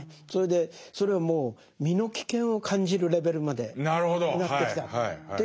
それはもう身の危険を感じるレベルまでなってきたというのが一つですよね。